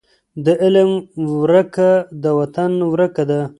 د علم ورکه د وطن ورکه ده.